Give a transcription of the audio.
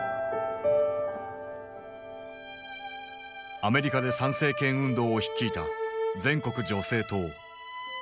アメリカで参政権運動を率いた全国女性党。